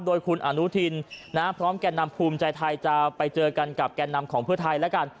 โดยคุณอนุทินพร้อมแก่นำภูมิใจไทยจะไปเจอกันกับแก่นำของเพื่อไทยแล้วกัน